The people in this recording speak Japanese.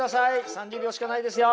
３０秒しかないですよ。